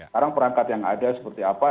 sekarang perangkat yang ada seperti apa